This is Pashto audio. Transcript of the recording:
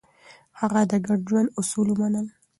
هغه د ګډ ژوند اصول ومنل.